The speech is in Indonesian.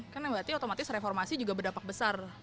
kan berarti otomatis reformasi juga berdampak besar